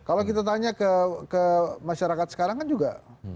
kalau kita tanya ke masyarakat sekarang kan juga